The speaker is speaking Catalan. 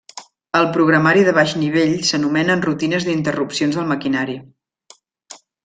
En programari de baix nivell s'anomenen rutines d'interrupcions del maquinari.